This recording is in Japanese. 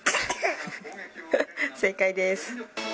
正解でーす。